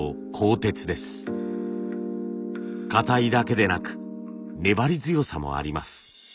硬いだけでなく粘り強さもあります。